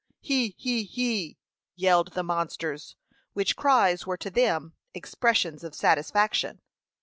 He, he, he!" yelled the monsters, which cries were to them expressions of satisfaction.